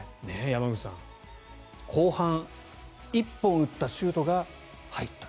山口さん、後半１本打ったシュートが入った。